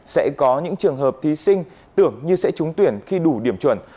sẽ có những trường hợp thí sinh tưởng như sẽ trúng tuyển khi đủ điểm chuẩn